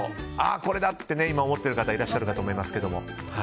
これだって思ってる方いらっしゃるかと思いますが。